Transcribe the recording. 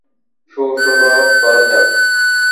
Show শুরু করা যাক।